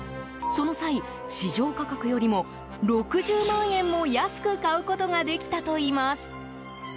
その際、市場価格よりも６０万円も安く買うことができたといいます。